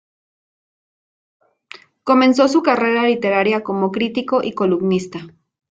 Comenzó su carrera literaria como crítico y columnista.